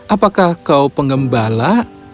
apakah kau pengembala